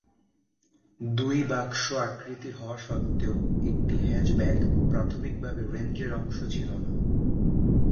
দুই বাক্স আকৃতির হওয়া সত্ত্বেও, একটি হ্যাচব্যাক প্রাথমিকভাবে রেঞ্জের অংশ ছিল না।